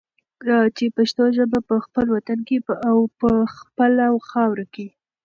چې پښتو ژبه په خپل وطن کې او په خپله خاوره کې